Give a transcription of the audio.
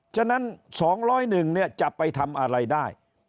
ฉะนั้น๒๐๑เนี่ยจะไปทำอะไรได้